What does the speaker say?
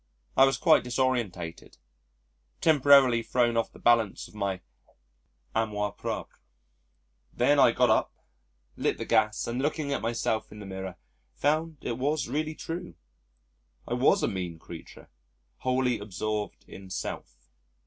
I was quite disorientated, temporarily thrown off the balance of my amour propre. Then I got up, lit the gas and looking at myself in the mirror, found it was really true, I was a mean creature, wholly absorbed in self.